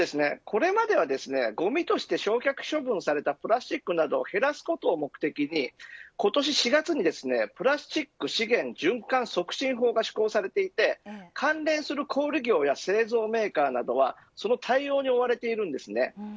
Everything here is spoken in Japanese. これまではごみとして焼却処分されたプラスチックなどを減らすことを目的に今年４月にプラスチック資源循環促進法が施行されていて関連する小売り業や製造メーカーなどはその対応に追われています。